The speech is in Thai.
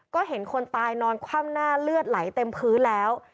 ก็เห็นคนตายนอนคว่ำหน้าเลือดไหลเต็มพื้นแล้ว